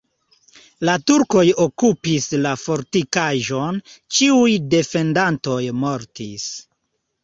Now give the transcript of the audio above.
La turkoj okupis la fortikaĵon, ĉiuj defendantoj mortis.